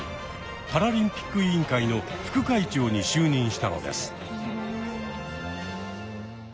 パラリンピック委員会の副会長に就任したのです。